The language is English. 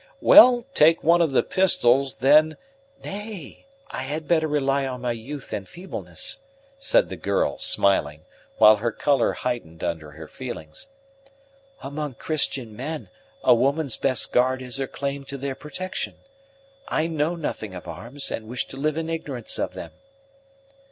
"Well, take one of the pistols, then " "Nay, I had better rely on my youth and feebleness," said the girl, smiling, while her color heightened under her feelings. "Among Christian men, a woman's best guard is her claim to their protection. I know nothing of arms, and wish to live in ignorance of them."